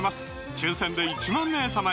抽選で１万名様に！